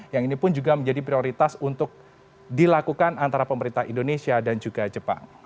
yang ini pun juga menjadi prioritas untuk dilakukan antara pemerintah indonesia dan juga jepang